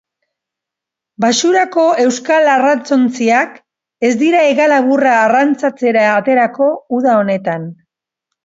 Baxurako euskal arrantzontziak ez dira hegalaburra arrantzatzera aterako uda honetan.